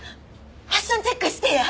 ファッションチェックしてや。